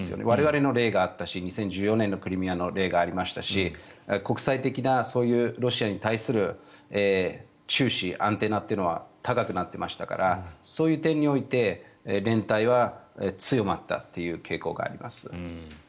我々の例があったし２０１４年のクリミアの例がありましたし国際的なそういうロシアに対する注視、アンテナというのは高くなっていましたからそういう点において連帯は強まったという傾向があります。